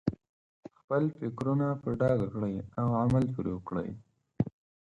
خپل فکرونه په ډاګه کړئ او عمل پرې وکړئ.